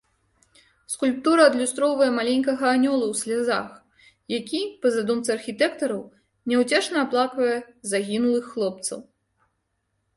Скульптура адлюстроўвае маленькага анёла ў слязах, які, па задумцы архітэктараў, няўцешна аплаквае загінулых хлопцаў.